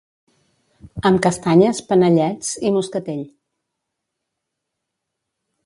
Amb castanyes, panellets i moscatell